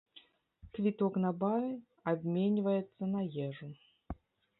Квіток на бары абменьваецца на ежу.